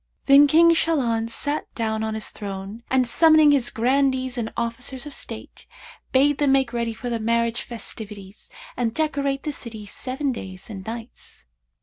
Then King Shahlan sat down on his throne and, summoning his Grandees and Officers of state, bade them make ready for the marriage festivities and decorate the city seven days and nights.